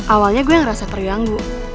awalnya gue ngerasa terianggu